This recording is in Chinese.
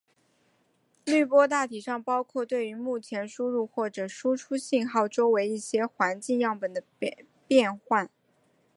滤波大体上包括对于目前输入或者输出信号周围一些环境样本的变换。